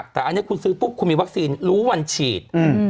แต่อันนี้คุณซื้อปุ๊บคุณมีวัคซีนรู้วันฉีด